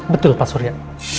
betul pak surya